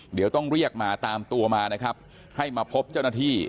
เดี๋ยวต้องเรียกมาตามตัวมานะครับให้มาพบเจ้าหน้าที่